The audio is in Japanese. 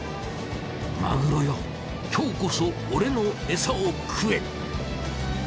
マグロよ今日こそ俺のエサを喰え！